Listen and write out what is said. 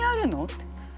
って。